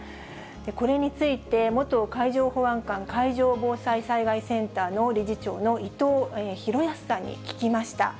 これについて、元海上保安監、海上防災災害センターの理事長の伊藤裕康さんに聞きました。